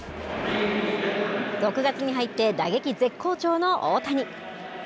６月に入って打撃絶好調の大谷。